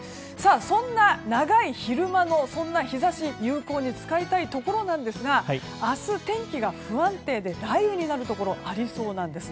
そんな長い昼間の日差しを有効に使いたいところなんですが明日、天気が不安定で雷雨になるところありそうなんです。